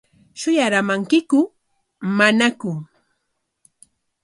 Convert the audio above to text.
¿Shuyaraamankiku manaku?